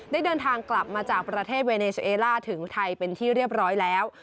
ได้เดินทางกลับมาจากประเทศเวเนซูเอล่าถึงไทยเป็นที่เรียบร้อยแล้ว